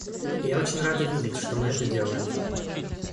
И я очень рада видеть, что мы это делаем.